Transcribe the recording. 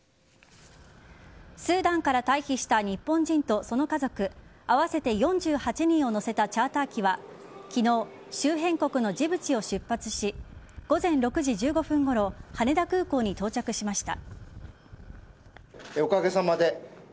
スーダンから退避した日本人とその家族合わせて４８人を乗せたチャーター機は昨日、周辺国のジブチを出発し午前６時１５分ごろ羽田空港に到着しました。